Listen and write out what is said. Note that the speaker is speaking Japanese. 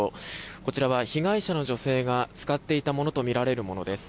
こちらは被害者の女性が使っていたものとみられるものです。